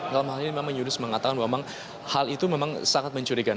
dalam hal ini memang yunus mengatakan memang hal itu memang sangat mencurigakan